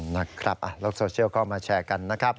นะครับโลกโซเชียลก็มาแชร์กันนะครับ